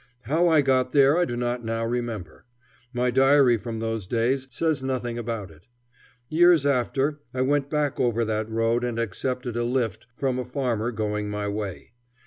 How I got there I do not now remember. My diary from those days says nothing about it. Years after, I went back over that road and accepted a "lift" from a farmer going my way.